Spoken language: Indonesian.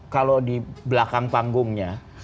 kalau di belakang panggungnya